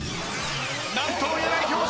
何とも言えない表情。